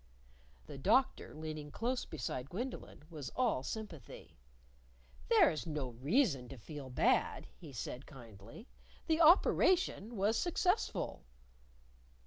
The Doctor, leaning close beside Gwendolyn, was all sympathy. "There is no reason to feel bad," he said kindly. "The operation was successful."